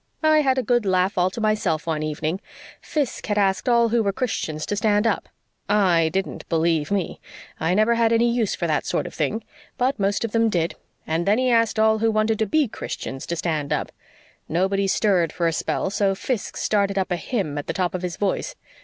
I had a good laugh all to myself one evening. Fiske had asked all who were Christians to stand up. I didn't, believe me! I never had any use for that sort of thing. But most of them did, and then he asked all who wanted to be Christians to stand up. Nobody stirred for a spell, so Fiske started up a hymn at the top of his voice.